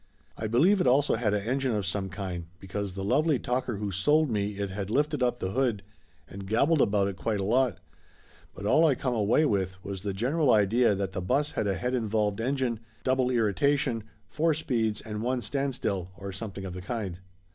I believe it also had a engine of some kind, because the lovely talker who sold me it lifted up the hood and gabbled about it quite a lot, but all I come away 202 Laughter Limited with was the general idea that the bus had a head involved engine, double irritation, four speeds and one standstill, or something of the kind.